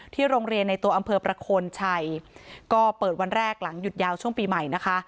โรงเรียนในตัวอำเภอประโคนชัยก็เปิดวันแรกหลังหยุดยาวช่วงปีใหม่นะคะ